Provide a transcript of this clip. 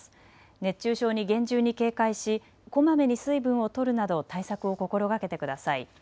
熱中症に厳重に警戒しこまめに水分をとるなど対策を心がけてください。